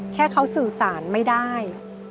แค่เขาสื่อสารไม่ได้